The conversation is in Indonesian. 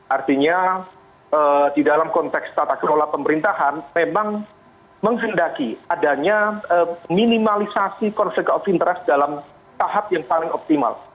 artinya di dalam konteks tata kelola pemerintahan memang menghendaki adanya minimalisasi konflik of interest dalam tahap yang paling optimal